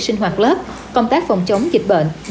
sinh hoạt lớp công tác phòng chống dịch bệnh